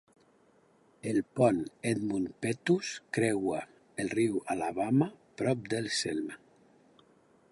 El pont Edmund Pettus creua el riu Alabama prop de Selma.